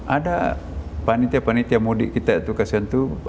ada panitia panitia mudik kita itu kesentuh